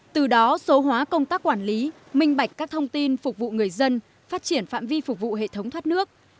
từ đó số hóa công tác quản lý minh bạch các thông tin phục vụ người dân phát triển phạm vi phục vụ hệ thống thoát nước